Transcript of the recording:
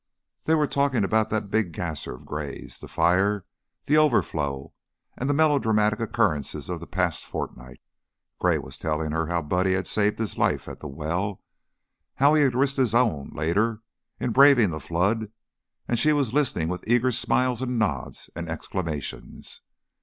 They were talking about that big gasser of Gray's; the fire; the overflow; and the melodramatic occurrences of the past fortnight. Gray was telling her how Buddy had saved his life at the well, how he had risked his own, later, in braving the flood, and she was listening with eager smiles and nods and exclamations.